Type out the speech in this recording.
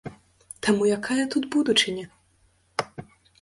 Таму якая тут будучыня?